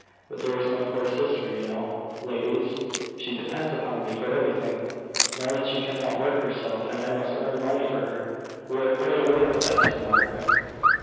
But there is my poor sister, you know, ladies. She depends upon me for everything, now that she cannot work herself: and I must earn money for her." "We are quite aware of that," said Margaret.